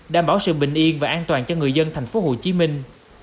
đảm bảo sự bình yên và an toàn cho người dân thành phố hồ chí minh